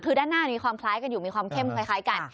คือด้านหน้ามีความคล้ายกันอยู่มีความเข้มคล้ายกัน